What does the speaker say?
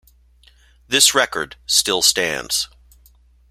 This record still stands.